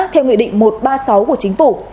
theo nghị định một trăm ba mươi sáu của chính phủ